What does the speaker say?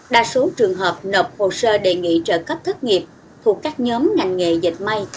đa số trường hợp nộp hồ sơ đề nghị trợ cấp thất nghiệp thuộc các nhóm ngành nghề dịch may